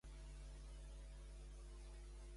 Aglauros i Hermes haurien estat pares, segons una versió?